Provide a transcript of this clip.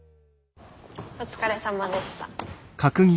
お疲れさまでした。